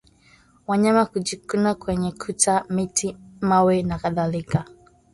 Wanyama kujikuna kwenye kuta miti mawe na kadhalika